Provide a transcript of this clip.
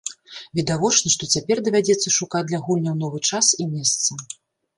Відавочна, што цяпер давядзецца шукаць для гульняў новы час і месца.